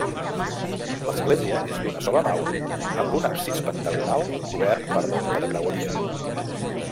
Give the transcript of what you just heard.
L'església és d'una sola nau amb un absis pentagonal cobert per volta de creueria.